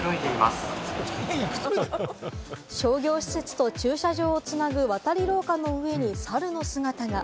商業施設と駐車場をつなぐ渡り廊下の上にサルの姿が。